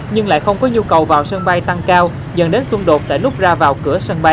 nhưng lại không có nhu cầu vào sân bay tăng cao dẫn đến xung đột tại nút ra vào cửa sân bay